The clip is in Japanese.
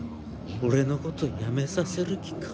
俺の事辞めさせる気か？